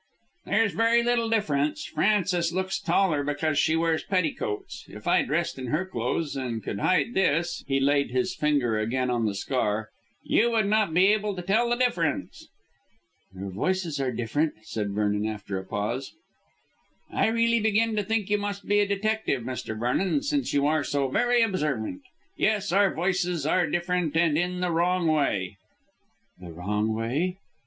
"There's very little difference. Frances looks taller because she wears petticoats. If I dressed in her clothes and could hide this," he laid his finger again on the scar, "you would not be able to tell the difference." "Your voices are different," said Vernon after a pause. "I really begin to think you must be a detective, Mr. Vernon, since you are so very observant. Yes, our voices are different and in the wrong way." "The wrong way?"